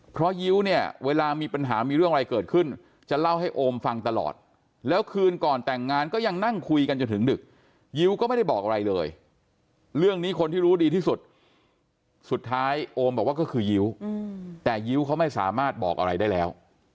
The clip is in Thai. เพราะยิ้วเนี่ยเวลามีปัญหามีเรื่องอะไรเกิดขึ้นจะเล่าให้โอมฟังตลอดแล้วคืนก่อนแต่งงานก็ยังนั่งคุยกันจนถึงดึกยิ้วก็ไม่ได้บอกอะไรเลยเรื่องนี้คนที่รู้ดีที่สุดสุดท้ายโอมบอกว่าก็คือยิ้วแต่ยิ้วเขาไม่สามารถบอกอะไรได้แล้ว